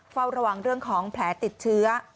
เฝ้าระวังเรื่องของแผลติดเชื้อ